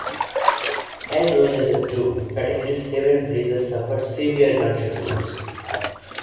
As well as the two fatalities several villagers suffered severe gunshot wounds.